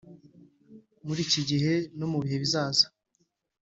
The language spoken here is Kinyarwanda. muri iki gihe no mu bihe bizaza